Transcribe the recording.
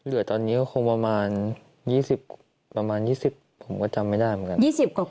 เหลือตอนนี้ก็คงประมาณ๒๐ประมาณ๒๐ผมก็จำไม่ได้เหมือนกัน